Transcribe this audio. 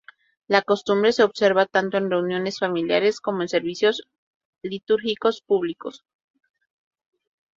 La costumbre se observa tanto en reuniones familiares como en servicios litúrgicos públicos.